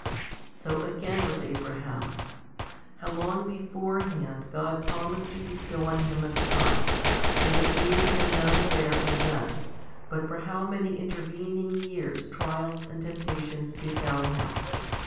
5. So again with Abraham. How long beforehand God promised to bestow on him a son, and yet gave him none there and then, but for how many intervening years trials and temptations befell him